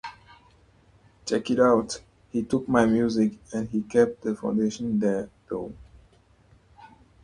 Check this out, he took my music and he kept the foundation there, though.